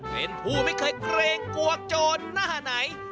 เป็นผู้ไม่เคยเกรงกลัวโจรหน้าไหน